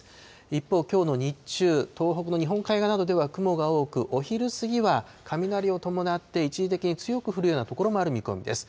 一方、きょうの日中、東北の日本海側などでは雲が多く、お昼過ぎは雷を伴って一時的に強く降るような所もある見込みです。